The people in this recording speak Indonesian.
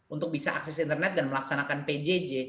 untuk bisa akses internet dan melaksanakan pjj